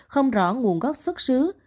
không rõ nguồn gốc xuất xứ